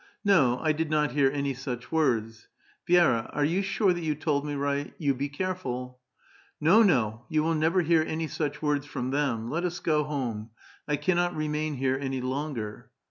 " No, I did not hear any such words. Vi^ra, are you sure that you told me right ? You be careful !" "No, no! You will never hear any such words from them. Let us go home. I cannot remain here any longer."